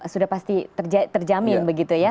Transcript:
sudah pasti terjamin begitu ya